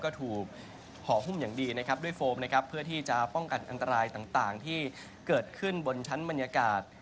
ก็ถูกห่อหุ้มอย่างดีนะครับด้วยโฟมนะครับเพื่อที่จะป้องกันอันตรายต่างที่เกิดขึ้นบนชั้นบรรยากาศ